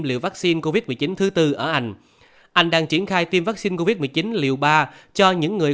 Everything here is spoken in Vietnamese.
liều vắc xin covid một mươi chín thứ bốn ở anh anh đang triển khai tiêm vắc xin covid một mươi chín liều ba cho những người